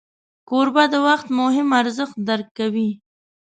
کوربه د وخت مهم ارزښت درک کوي.